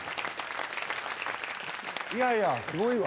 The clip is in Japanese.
いやいやすごいわ。